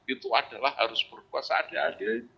itu adalah harus berpuasa ada adil